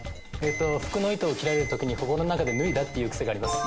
服の糸を切られるときに心の中で脱いだって言う癖があります。